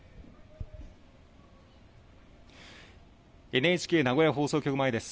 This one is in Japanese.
ＮＨＫ名古屋放送局前です。